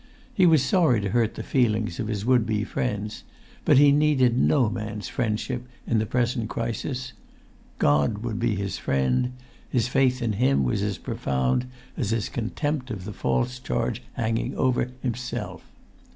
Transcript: He was sorry to hurt the feelings of his would be friends, but he needed no man's friendship in the present crisis. God would be his friend; his faith in Him was as profound as his contempt of the false charge hanging over himself.